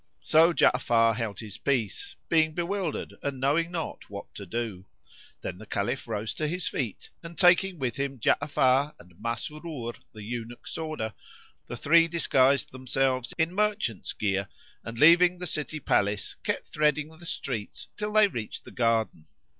So Ja'afar held his peace, being bewildered and knowing not what to do. Then the Caliph rose to his feet and, taking with him Ja'afar and Masrur the eunuch sworder, the three disguised themselves in merchants' gear and leaving the City palace, kept threading the streets till they reached the garden.